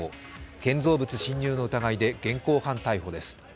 建造物侵入の疑いで現行犯逮捕です。